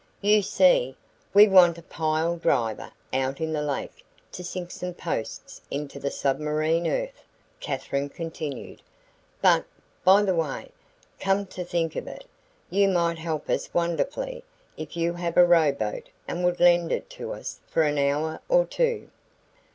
"You see, we want a pile driver out in the lake to sink some posts into the submarine earth," Katherine continued. "But, by the way, come to think of it, you might help us wonderfully if you have a rowboat and would lend it to us for an hour or two."